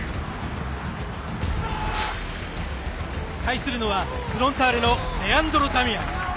対するのは、フロンターレのレアンドロ・ダミアン。